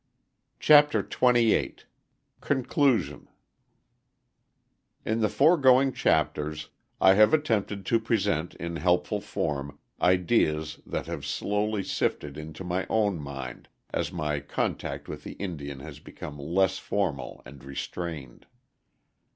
CHAPTER XXVIII CONCLUSION IN the foregoing chapters I have attempted to present in helpful form ideas that have slowly sifted into my own mind as my contact with the Indian has become less formal and restrained.